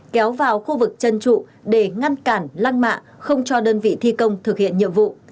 kéo vào khu vực chân trụ để ngăn cản lăng mạ không cho đơn vị thi công thực hiện nhiệm vụ